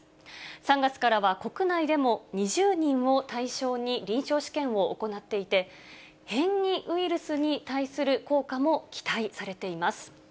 ３月からは国内でも２０人を対象に、臨床試験を行っていて、変異ウイルスに対する効果も期待されています。